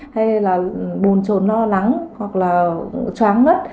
hay là buồn trồn lo lắng hoặc là chóng ngất